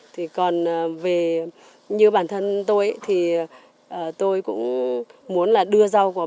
thì còn về như bản thân tôi ấy thì tôi cũng muốn là đưa rau của bà